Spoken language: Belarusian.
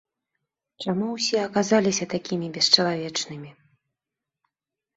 Чаму ўсе аказаліся такімі бесчалавечнымі?